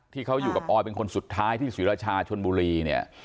ที่เขาอยู่กับออยเป็นคนสุดท้ายที่ศรีราชาชนบุรีเนี่ย